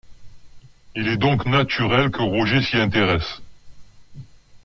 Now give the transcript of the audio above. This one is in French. Il est donc naturel que Roger s'y intéresse.